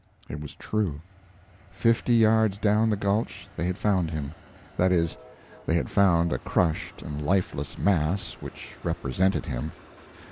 It was true. Fifty yards down the gulch they had found him that is, they had found a crushed and lifeless mass which represented him.